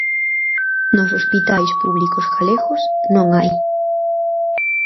Nos hospitais públicos galegos non hai.